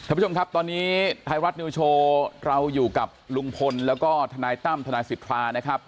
ท่านผู้ชมครับตอนนี้ไทยรัฐนิวโชว์เราอยู่กับลุงพลแล้วก็ทนายตั้มทนายสิทธานะครับ